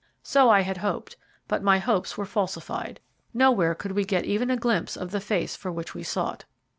So I had hoped, but my hopes were falsified. Nowhere could we get even a glimpse of the face for which we sought.